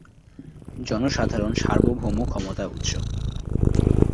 জনসাধারণ সার্বভৌম ক্ষমতার উৎস।